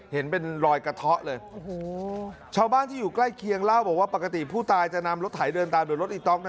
เห็นเป็นรอยกระเทาะเลยโอ้โหชาวบ้านที่อยู่ใกล้เคียงเล่าบอกว่าปกติผู้ตายจะนำรถไถเดินตามโดยรถอีต๊อก